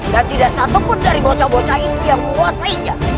dan tidak satupun dari bocah bocah itu yang menguasainya